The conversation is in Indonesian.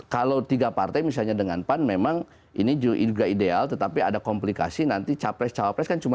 kalau tiga partai misalnya dengan pan memang ini juga ideal tetapi ada komplikasi nanti capres capres kan cuma